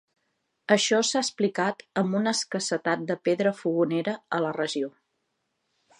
Això s'ha explicat amb una escassetat de pedra fogonera a la regió.